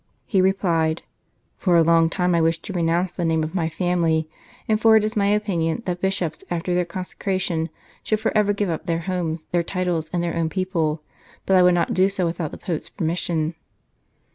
He replied :" For a long time I wished to renounce the name of my family, for it is my opinion that Bishops after their consecration should for ever give up their homes, their titles, and their own people; but I would not do so without the Pope s permission."